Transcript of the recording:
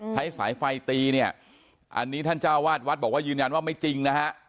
ใช้สายไฟตีเนี่ยอันนี้ท่านเจ้าวาดวัดบอกว่ายืนยันว่าไม่จริงนะฮะ